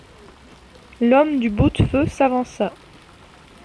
L'homme du boute-feu s'avança.